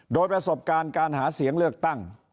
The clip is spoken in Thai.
โดยประสบการณ์การหาเสียงเลือกตั้ง